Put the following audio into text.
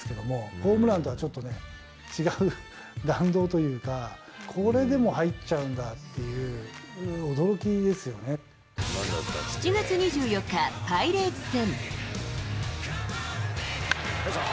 ホームランとはちょっと違う弾道というか、これでも入っちゃうん７月２４日、パイレーツ戦。